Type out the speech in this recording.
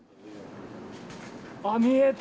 あっ、見えた。